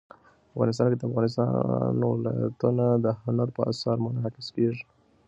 افغانستان کې د افغانستان ولايتونه د هنر په اثار کې منعکس کېږي.